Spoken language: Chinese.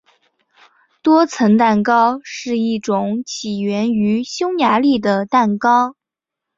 多层蛋糕是一种起源于匈牙利的蛋糕。